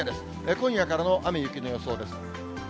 今夜からの雨、雪の予想です。